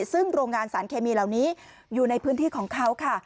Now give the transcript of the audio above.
ซึ่งโรงงานสารเคมีเหล่านี้อยู่ในพื้นที่ของเขาค่ะ